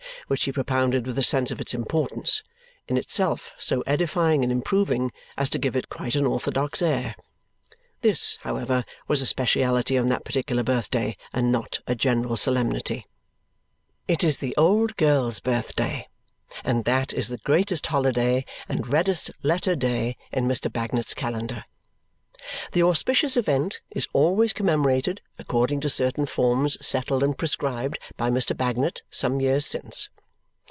which he propounded with a sense of its importance, in itself so edifying and improving as to give it quite an orthodox air. This, however, was a speciality on that particular birthday, and not a general solemnity. It is the old girl's birthday, and that is the greatest holiday and reddest letter day in Mr. Bagnet's calendar. The auspicious event is always commemorated according to certain forms settled and prescribed by Mr. Bagnet some years since.